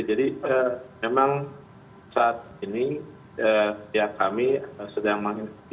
jadi memang saat ini ya kami sedang menginfeksi